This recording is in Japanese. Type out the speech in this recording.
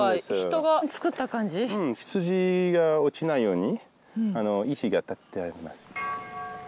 羊が落ちないように石が立ってあります。